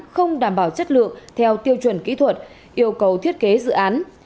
không đảm bảo chất lượng theo tiêu chuẩn kỹ thuật yêu cầu thiết kế dự án